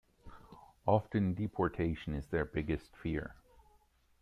Often deportation is their biggest fear.